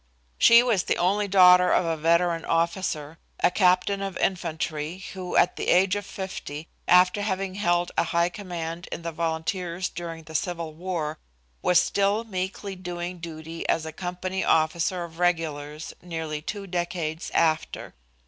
She was the only daughter of a veteran officer, a captain of infantry, who at the age of fifty, after having held a high command in the volunteers during the civil war, was still meekly doing duty as a company officer of regulars nearly two decades after.